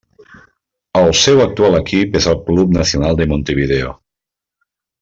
El seu actual equip és el Club Nacional de Montevideo.